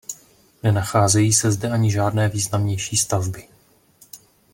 Nenacházejí se zde ani žádné významnější stavby.